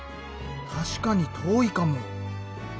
確かに遠いかも。